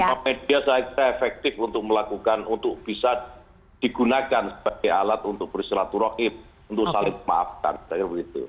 karena media saya kira efektif untuk melakukan untuk bisa digunakan sebagai alat untuk bersilaturahim untuk saling memaafkan saya kira begitu